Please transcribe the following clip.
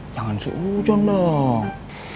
jangan sehujan dong